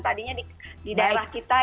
tadinya di daerah kita